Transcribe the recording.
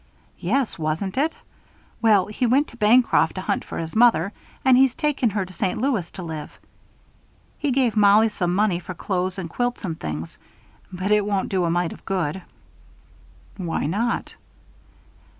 "Yes, wasn't it? Well, he went to Bancroft to hunt for his mother, and he's taken her to St. Louis to live. He gave Mollie some money for clothes and quilts and things; but it won't do a mite of good." "Why not?"